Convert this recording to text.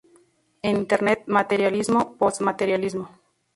En Internet: materialismo-postmaterialismo.